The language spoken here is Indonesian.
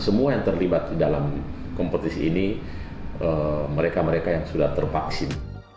semua yang terlibat dalam kompetisi ini mereka mereka yang sudah tervaksin